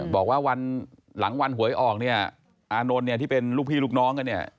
บอกว่าวันหลังวันหวยออกเนี่ยอานนท์เนี่ยที่เป็นลูกพี่ลูกน้องกันเนี่ย